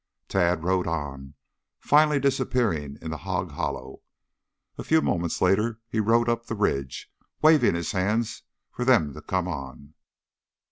Tad rode on, finally disappearing in the "hog hollow." A few moments later he rode up the ridge, waving his hands for them to come on.